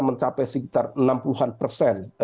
mencapai sekitar enam puluh an persen